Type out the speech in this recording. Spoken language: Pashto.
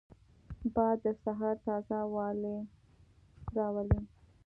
باد د سهار تازه والی راولي